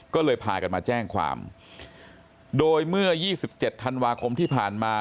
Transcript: ก็เลยพากันมาแจ้งความโดยเมื่อ๒๗ธันวาคมที่ผ่านมา